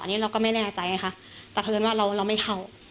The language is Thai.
อันนี้เราก็ไม่แน่ใจค่ะแต่เพราะเอิญว่าเราไม่เข้า